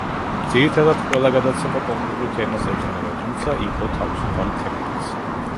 ძირითადად, ყველა გადაცემა კონკრეტულ თემას ეძღვნება, თუმცა იყო თავისუფალი თემებიც.